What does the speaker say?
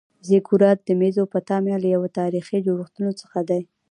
زیګورات د میزوپتامیا یو له تاریخي جوړښتونو څخه دی.